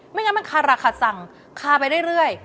มั่นก็มันคาราคสังคาไปเรื่อย